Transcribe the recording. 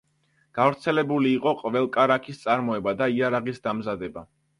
გავრცელებული იყო ყველ-კარაქის წარმოება და იარაღის დამზადება.